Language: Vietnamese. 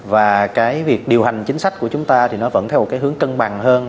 và cái việc điều hành chính sách của chúng ta thì nó vẫn theo một cái hướng cân bằng hơn